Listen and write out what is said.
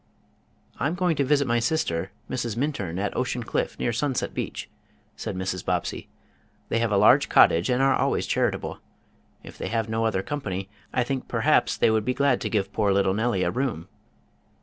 "I'm going to visit my sister, Mrs. Minturn, at Ocean Cliff, near Sunset Beach," said Mrs. Bobbsey. "They have a large cottage and are always charitable. If they have no other company I think, perhaps, they would be glad to give poor little Nellie a room."